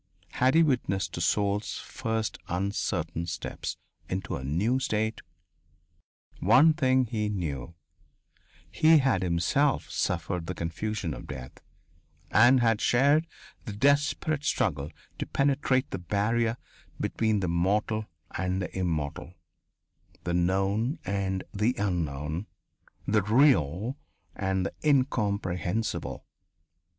Had he witnessed a soul's first uncertain steps into a new state? One thing he knew he had himself suffered the confusion of death, and had shared the desperate struggle to penetrate the barrier between the mortal and the immortal, the known and the unknown, the real and the incomprehensible.